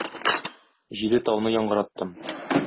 Җиде тауны яңгыраттым